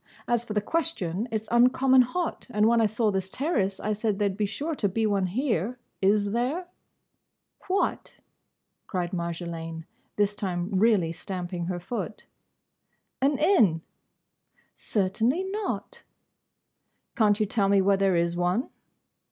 As for the question: it 's uncommon hot, and when I saw this terrace I said there 'd be sure to be one here. Is there?" "What?" cried Marjolaine, this time really stamping her foot. "An inn?" "Certainly not." "Can't you tell me where there is one?"